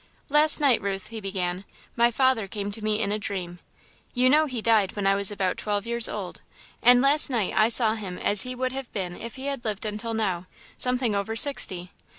"Last night, Ruth," he began, "my father came to me in a dream. You know he died when I was about twelve years old, and last night I saw him as he would have been if he had lived until now something over sixty.